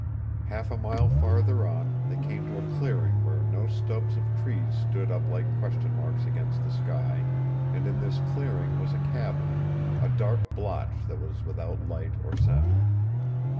Half a mile farther on they came to a clearing where no stubs of trees stood up like question marks against the sky, and in this clearing was a cabin, a dark blotch that was without light or sound.